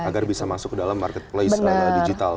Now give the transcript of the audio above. agar bisa masuk ke dalam marketplace digital